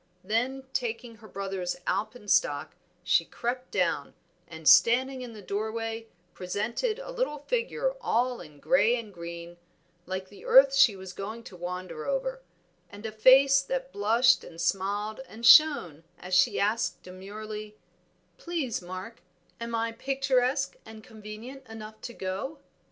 Then taking her brother's alpen stock she crept down, and standing in the door way presented a little figure all in gray and green, like the earth she was going to wander over, and a face that blushed and smiled and shone as she asked demurely "Please, Mark, am I picturesque and convenient enough to go?"